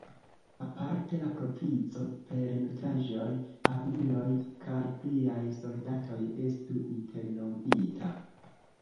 Aparte la provizo per nutraĵoj, armiloj kaj pliaj soldatoj estu interrompita.